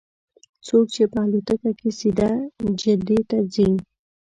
څوک چې په الوتکه کې سیده جدې ته ځي.